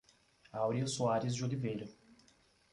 Aurea Soares de Oliveira